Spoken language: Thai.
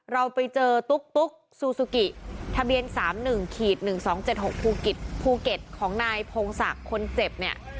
เราไปเจอตุ๊กซูซูกิทะเบียน๓๑๑๒๗๖ภูเก็ตของนายพงศักดิ์คนเจ็บเนี่ย